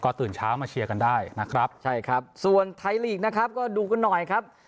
ตื่นเช้ามาเชียร์กันได้นะครับใช่ครับส่วนไทยลีกนะครับก็ดูกันหน่อยครับ